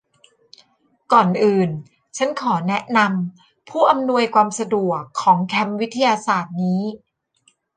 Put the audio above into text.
ก่อนอื่น ฉันขอแนะนำผู้อำนวยความสะดวกของแคมป์วิทยาศาสตร์นี้